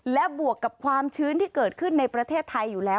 และบวกกับความชื้นที่เกิดขึ้นในประเทศไทยอยู่แล้ว